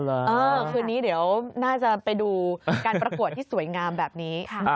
เออคืนนี้เดี๋ยวน่าจะไปดูการประกวดที่สวยงามแบบนี้